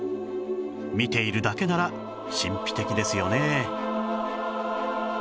見ているだけなら神秘的ですよね